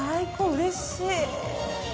うれしい！